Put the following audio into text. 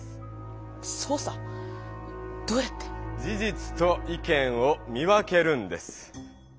捜査⁉どうやって？事じつと意見を見分けるんです。